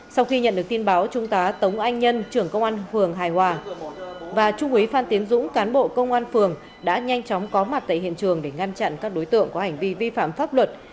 sau khi nhận được tin báo trung tá tống anh nhân trưởng công an phường hài hòa và trung úy phan tiến dũng cán bộ công an phường đã nhanh chóng có mặt tại hiện trường để ngăn chặn các đối tượng có hành vi vi phạm pháp luật